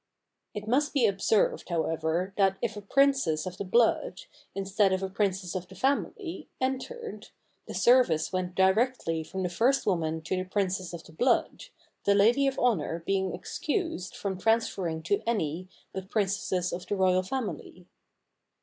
It must be observed, however, that if a princess of the blood, instead of a princess of the family, entered, the service went directly from the first woman to the prin cess of the blood, the lady of honor being excused from transferring to any but princesses of the royal family.